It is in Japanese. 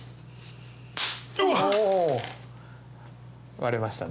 割れましたね。